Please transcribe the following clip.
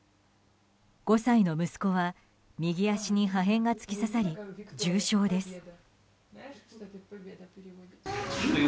５歳の息子は、右足に破片が突き刺さり重傷です。